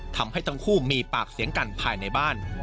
ทำให้ทั้งคู่มีปากเสียงกันภายในบ้าน